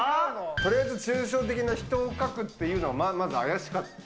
とりあえず抽象的な人を描くっていうのがまず怪しかった。